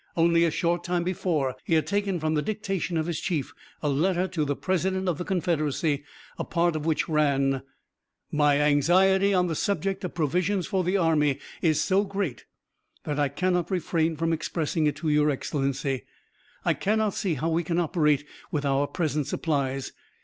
Only a short time before he had taken from the dictation of his chief a letter to the President of the Confederacy a part of which ran: My anxiety on the subject of provisions for the army is so great that I cannot refrain from expressing it to your Excellency. I cannot see how we can operate with our present supplies.